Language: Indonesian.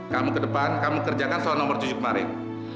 kamu ke depan kamu kerjakan soal nomor tujuh kemarin